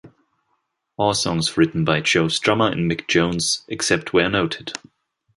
All songs written by Joe Strummer and Mick Jones, except where noted.